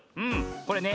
これね